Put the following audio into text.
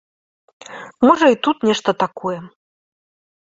Можа, і тут нешта такое.